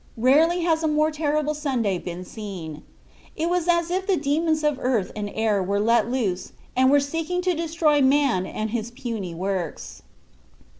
Rarely has a more terrible Sunday been seen. It was as if the demons of earth and air were let loose and were seeking to destroy man and his puny works.